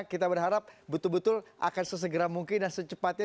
kita berharap betul betul akan sesegera mungkin dan secepatnya